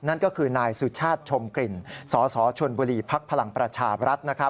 นั่นก็คือนายสุชาติชมกลิ่นสสชนบุรีภักดิ์พลังประชาบรัฐ